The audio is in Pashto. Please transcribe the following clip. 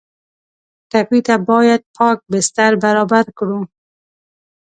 ټپي ته باید پاک بستر برابر کړو.